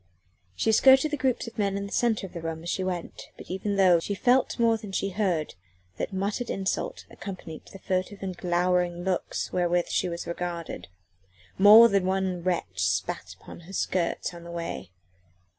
She skirted the groups of men in the centre of the room as she went, but even so she felt more than she heard that muttered insults accompanied the furtive and glowering looks wherewith she was regarded. More than one wretch spat upon her skirts on the way.